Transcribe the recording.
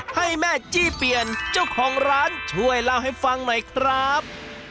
ให้แม่จี้เปลี่ยนเจ้าของร้านช่วยเล่าให้ฟังหน่อยครับ